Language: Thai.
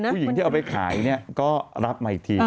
ผู้หญิงที่เอาไปขายเนี่ยก็รับมาอีกที